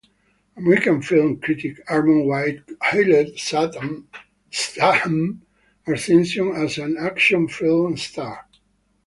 American film critic Armond White hailed Statham's ascension as an action film star.